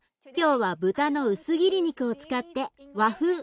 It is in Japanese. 今日は豚の薄切り肉を使って和風